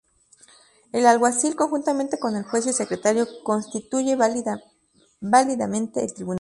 El "Alguacil", conjuntamente con el Juez y el Secretario, constituye válidamente el tribunal.